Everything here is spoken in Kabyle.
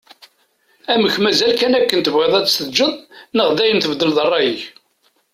Amek mazal kan akken tebɣiḍ ad tt-teǧǧeḍ neɣ dayen tbeddleḍ rray-ik?